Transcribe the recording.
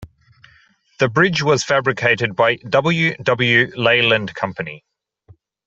The bridge was fabricated by W. W. Leland Company.